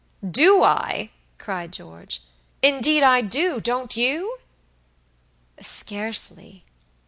"Do I?" cried George. "Indeed I do. Don't you?" "Scarcely."